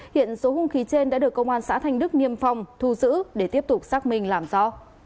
hiện số hung khí trên đã được công an xã thanh đức nghiêm phòng thu giữ để tiếp tục xác minh làm do